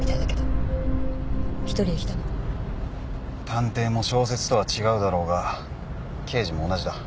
探偵も小説とは違うだろうが刑事も同じだ。